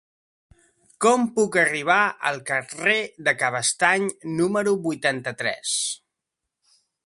Com puc arribar al carrer de Cabestany número vuitanta-tres?